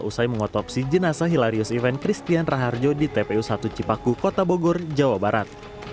usai mengotopsi jenazah hilarius event christian raharjo di tpu satu cipaku kota bogor jawa barat